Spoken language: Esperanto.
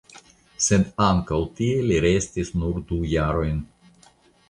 Sed ankaŭ tie li restis nur du jarojn.